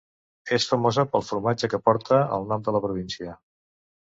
És famosa pel formatge que porta el nom de la província.